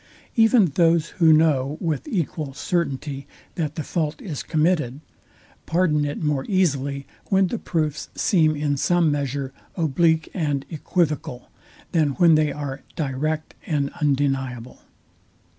Even those, who know with equal certainty, that the fault is committed, pardon it more easily, when the proofs seem in some measure oblique and equivocal, than when they are direct and undeniable.